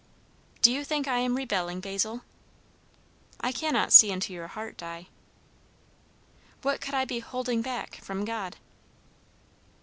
"Do you think I am rebelling, Basil?" "I cannot see into your heart, Di." "What could I be 'holding back' from God?"